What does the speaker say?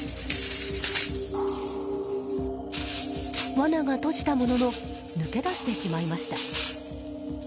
わなが閉じたものの抜け出してしまいました。